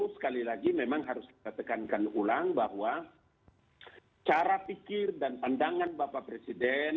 sekali lagi memang harus kita tekankan ulang bahwa cara pikir dan pandangan bapak presiden